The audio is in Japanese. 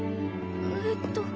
えっと。